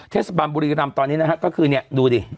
เทศบาลบุรีรำตอนนี้นะฮะก็คือเนี่ยดูดิ